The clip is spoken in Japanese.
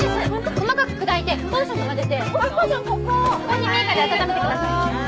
細かく砕いてポーションと混ぜてコーヒーメーカーで温めてください。